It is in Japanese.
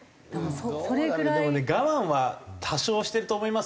でもね我慢は多少してると思いますよ。